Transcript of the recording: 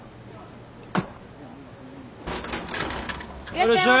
いらっしゃい。